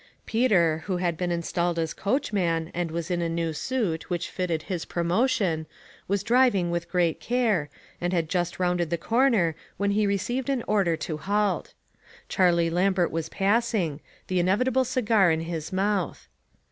Peter, who had been installed as coachman, and was in a new suit, which THINGS THAT FITTED. 269 fitted his promotion, was driving with great care, and had just rounded the corner, when he received an order to halt. Charlie Lam bert was passing, the inevitable cigar in his mouth.